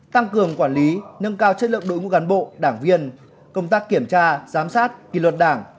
tăng cường quản lý nâng cao chất lượng đội ngũ cán bộ đảng viên công tác kiểm tra giám sát kỳ luật đảng